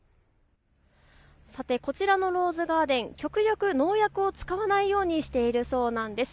こちらのローズガーデン、極力、農薬を使わないようにしているそうなんです。